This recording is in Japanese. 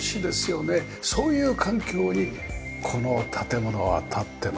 そういう環境にこの建物は立ってます。